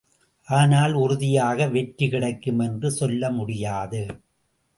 ஆனால் உறுதியாக வெற்றி கிடைக்கும் என்று சொல்ல முடியாது.